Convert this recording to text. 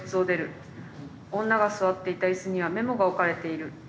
女が座っていた椅子にはメモが置かれている。